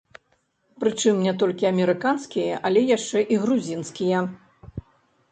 Прычым не толькі амерыканскія, але яшчэ і грузінскія!